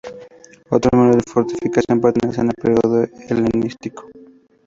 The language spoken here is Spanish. Otros muros de fortificación pertenecen al periodo helenístico.